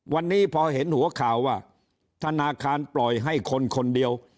วันนี้พอเห็นหัวข่าวว่าธนาคารปล่อยให้คนคนเดียว